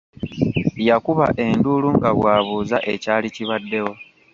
Yakuba enduulu nga bw’abuuza ekyali kibaddewo.